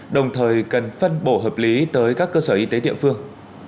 đồng thời cần phân bổ hợp lý tới các cơ sở y tế địa phương